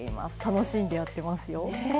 楽しんでやってますよ。